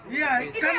iya kami apresiasi itu